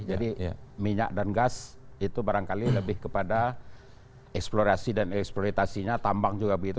jadi minyak dan gas itu barangkali lebih kepada eksplorasi dan eksploitasinya tambang juga begitu